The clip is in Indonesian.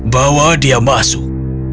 bawa dia masuk